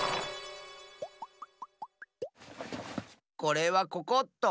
これはここっと。